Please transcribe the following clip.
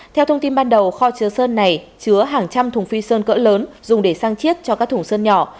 theo thông tin ban đầu kho chứa sơn này chứa hàng trăm thùng phi sơn cỡ lớn dùng để sang chiết cho các thùng sơn nhỏ